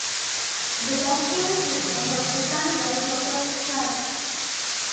The bascule system was designed by Joseph Strauss.